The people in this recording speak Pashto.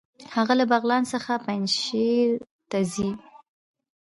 هغه له بغلان څخه پنجهیر ته ځي.